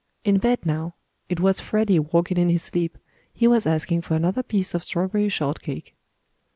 "In bed now. It was Freddie, walking in his sleep. He was asking for another piece of strawberry shortcake."